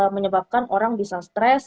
menyebabkan orang bisa stress